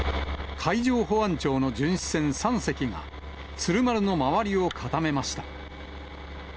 海上保安庁の巡視船３隻が、鶴丸の周りを固めました。